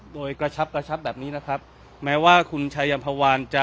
โดยกระชับกระชับแบบนี้นะครับแม้ว่าคุณชายัมภาวานจะ